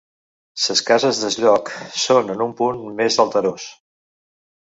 Ses cases des lloc són en un punt més alterós.